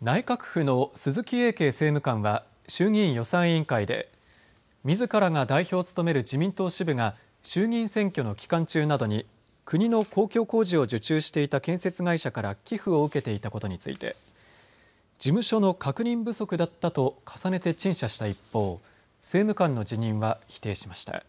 内閣府の鈴木英敬政務官は衆議院予算委員会でみずからが代表を務める自民党支部が衆議院選挙の期間中などに国の公共工事を受注していた建設会社から寄付を受けていたことについて事務所の確認不足だったと重ねて陳謝した一方、政務官の辞任は否定しました。